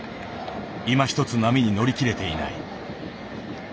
いまひとつ波に乗り切れていない。